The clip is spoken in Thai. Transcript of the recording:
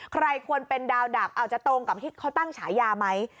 ใครควรเป็นดาวดับอาจจะตรงกับที่เขาตั้งฉายาไหม